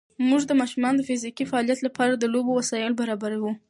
مور د ماشومانو د فزیکي فعالیت لپاره د لوبو وسایل برابروي.